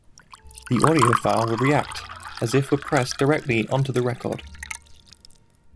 The audio file will react as if were pressed directly onto the record.